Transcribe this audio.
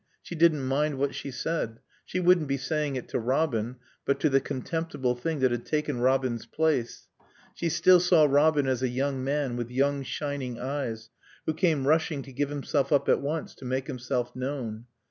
She didn't mind what she said. She wouldn't be saying it to Robin, but to the contemptible thing that had taken Robin's place. She still saw Robin as a young man, with young, shining eyes, who came rushing to give himself up at once, to make himself known.